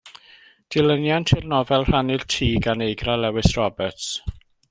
Dilyniant i'r nofel Rhannu'r Tŷ gan Eigra Lewis Roberts.